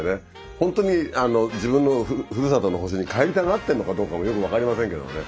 本当に自分のふるさとの星に帰りたがってるのかどうかもよく分かりませんけれどもね。